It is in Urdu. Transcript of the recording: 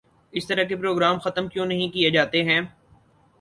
اس طرح کے پروگرام ختم کیوں نہیں کیے جاتے ہیں